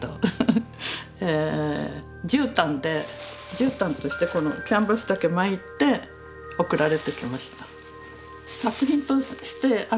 じゅうたんとしてこのキャンバスだけ巻いて送られてきました。